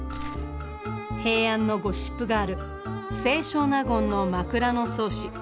平安のゴシップガール清少納言の「枕草子」。